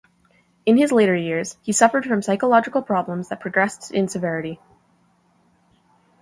In his later years, he suffered from psychological problems that progressed in severity.